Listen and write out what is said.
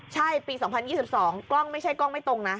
ใช่ปี๒๐๒๒กล้องไม่ใช่กล้องไม่ตรงนะ